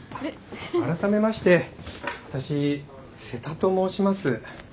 あらためまして私瀬田と申します。